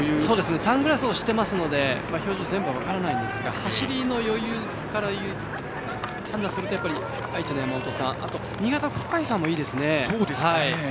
サングラスをしているので表情全部は分からないんですが走りの余裕から判断すると愛知の山本さん新潟の小海さんもいいですね。